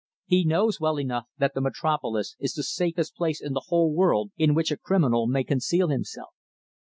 He knows well enough that the Metropolis is the safest place in the whole world in which a criminal may conceal himself.